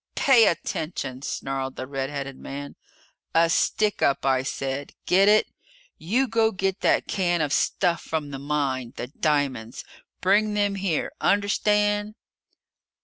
"Pay attention!" snarled the red headed man. "A stickup, I said! Get it? You go get that can of stuff from the mine! The diamonds! Bring them here! Understand?"